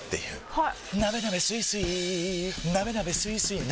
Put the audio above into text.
・はい！